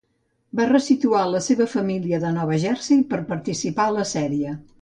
Va resituar la seva família de Nova Jersey per participar a la sèrie.